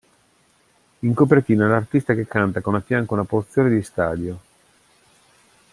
In copertina l'artista che canta con a fianco una porzione di stadio.